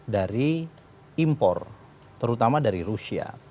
dari impor terutama dari rusia